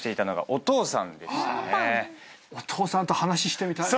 お父さんと話してみたい。